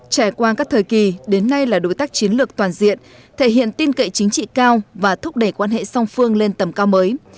trải qua các thời kỳ đến nay là đối tác chiến lược toàn diện thể hiện tin cậy chính trị cao và thúc đẩy quan hệ song phương lên tầm cao mới